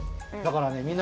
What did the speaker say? だからね